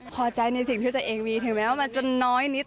พอใจในสิ่งที่ตัวเองมีถึงแม้ว่ามันจะน้อยนิด